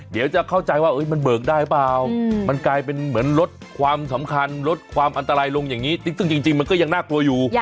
เดี๋ยวจะเข้าใจว่ามันเบิกได้เปล่ามันกลายเป็นเหมือนลดความสำคัญลดความอันตรายลงอย่างนี้ซึ่งจริงมันก็ยังน่ากลัวอยู่